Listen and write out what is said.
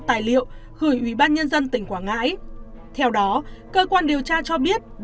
tài liệu gửi ủy ban nhân dân tỉnh quảng ngãi theo đó cơ quan điều tra cho biết